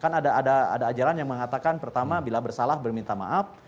kan ada ajaran yang mengatakan pertama bila bersalah berminta maaf